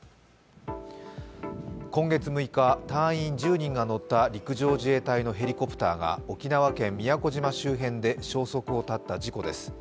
今月６日、隊員１０人が乗った陸上自衛隊のヘリコプターが沖縄県宮古島周辺で消息を絶った事故です